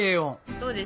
そうです！